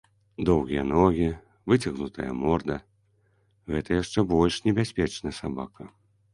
Доўгія ногі, выцягнутая морда, гэта яшчэ больш небяспечны сабака.